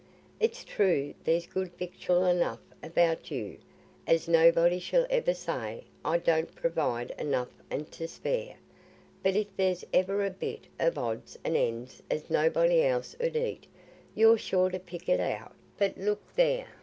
"It's true there's good victual enough about you, as nobody shall ever say I don't provide enough and to spare, but if there's ever a bit o' odds an' ends as nobody else 'ud eat, you're sure to pick it out... but look there!